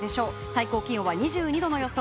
最高気温は２２度の予想。